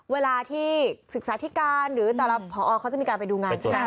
เวลาที่ศึกษาธิการหรือแต่ละผอเขาจะมีการไปดูงานใช่ไหม